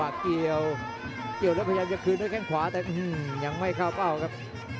เดี๋ยวเท่านั้นครับ